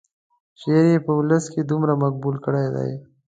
شعر یې په ولس کې دومره مقبول کړی دی.